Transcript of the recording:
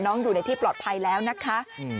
อยู่ในที่ปลอดภัยแล้วนะคะ